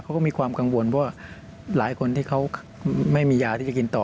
เขาก็มีความกังวลว่าหลายคนที่เขาไม่มียาที่จะกินต่อ